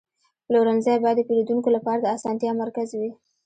پلورنځی باید د پیرودونکو لپاره د اسانتیا مرکز وي.